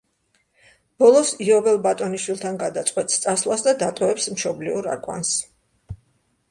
ბოლოს, იოველ ბატონიშვილთან გადაწყვეტს წასვლას და დატოვებს მშობლიურ აკვანს.